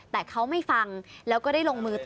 แต่เขาไม่ฟังแล้วก็ได้ลงมือต่อ